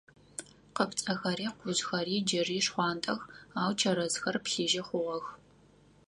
Къыпцӏэхэри къужъхэри джыри шхъуантӏэх, ау чэрэзхэр плъыжьы хъугъэх.